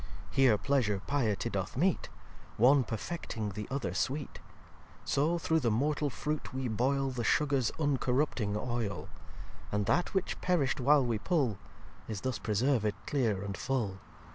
Here Pleasure Piety doth meet; One perfecting the other Sweet. So through the mortal fruit we boyl The Sugars uncorrupting Oyl: And that which perisht while we pull, Is thus preserved clear and full.